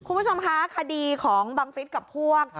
คุณผู้ชมคะคดีของบังฟิศกับพวก